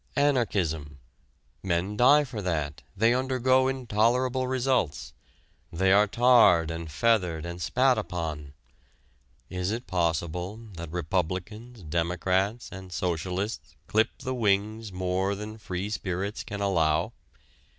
Anarchism men die for that, they undergo intolerable insults. They are tarred and feathered and spat upon. Is it possible that Republicans, Democrats and Socialists clip the wings more than free spirits can allow?